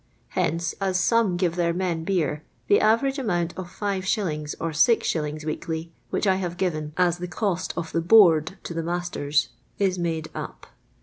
Hence, as some give their men beer, the average amount of 5*. or 6*. weekly, which I have given as the 'cost of the " board " to the masters, is made up.